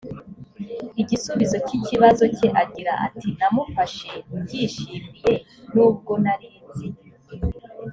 igisubizo cy ikibazo cye agira ati namufashe mbyishimiye n ubwo nari nzi